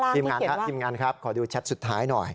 ทีมงานครับขอดูแชทสุดท้ายหน่อย